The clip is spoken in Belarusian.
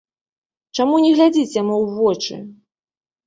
Чаму не глядзіць яму ў вочы?